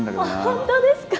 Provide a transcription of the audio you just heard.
本当ですか？